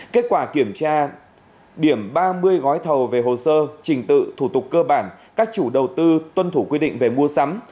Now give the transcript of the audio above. kết quả kiểm tra điểm ba mươi gói thầu về hồ sơ trình tự thủ tục cơ bản các chủ đầu tư tuân thủ quy định về mua sắm